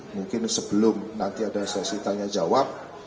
mungkin sebelum nanti ada sesi tanya jawab